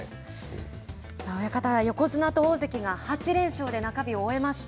親方、横綱と大関が８連勝で中日を終えました。